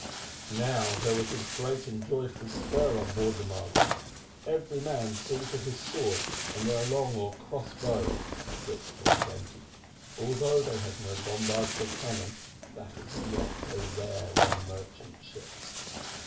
Now there was a great and joyful stir on board the Margaret, every man seeing to his sword and their long or cross bows, of which there were plenty, although they had no bombards or cannon, that as yet were rare on merchant ships.